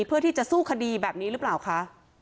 เพื่อที่จะสู้คดีแบบนี้หรือเปล่าคะ